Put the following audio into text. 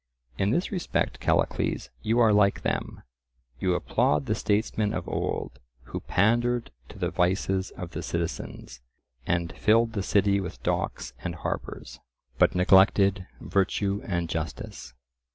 In this respect, Callicles, you are like them; you applaud the statesmen of old, who pandered to the vices of the citizens, and filled the city with docks and harbours, but neglected virtue and justice.